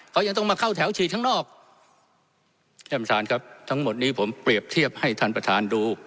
เขายังต้องมาเข้าแถวฉีดข้างนอกท่านประธานครับทั้งหมดนี้ผมเปรียบเทียบให้ท่านประธานดู